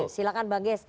oke silahkan bang gies